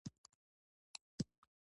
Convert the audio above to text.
ولې مې خبره نه منې.